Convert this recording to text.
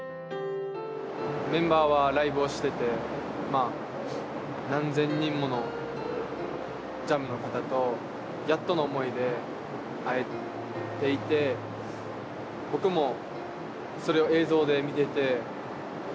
メンバーはライブをしてて何千人ものＪＡＭの方とやっとの思いで会えていて僕もそれを映像で見ていて泣いてしまったんですよね。